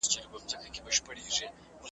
مینه د رنګین بیرغ دي غواړمه په زړه کي .